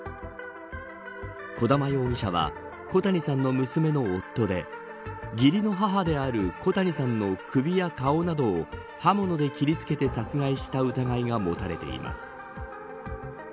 児玉容疑者は小谷さんの娘の夫で義理の母である小谷さんの首や顔などを刃物で切り付けて殺害した疑いが持たれています。